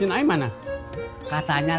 tapi kagak satu kali